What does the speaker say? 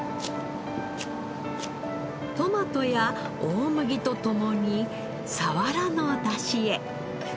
トマトや大麦と共にサワラの出汁へ。